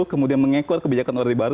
kemudian mengekor kebijakan orde baru